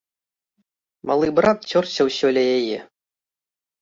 Малы брат цёрся ўсё ля яе.